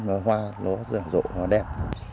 nó nở hoa nó giảm rộn nó đẹp